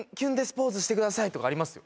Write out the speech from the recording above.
ポーズしてくださいとかありますよ